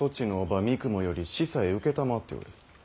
三雲より子細承っておる。